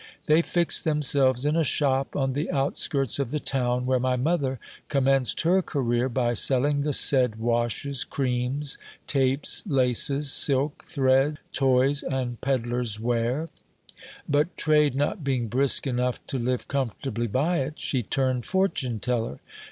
They fixed themselves in a shop on the out skirts of the town, where my mother commenced her career by selling the said washes, creams, tapes, laces, silk, thread, toys, and pedlar's ware; but trade not being brisk enough to live comfortably by it, she turned fortune teller.